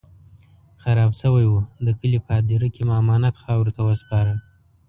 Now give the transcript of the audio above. خراب شوی و، د کلي په هديره کې مو امانت خاورو ته وسپاره.